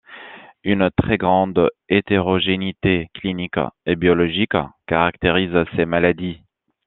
Une très grande hétérogénéité clinique et biologique caractérise ces maladies.